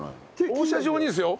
放射状にですよ。